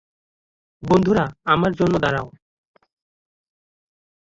বন্ধুরা, আমার জন্য দাঁড়াও!